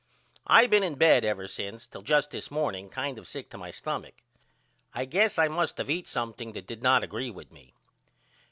I been in bed ever since till just this morning kind of sick to my stumach. I guess I must of eat something that did not agree with me.